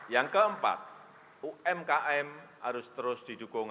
yang keempat umkm harus terus didukung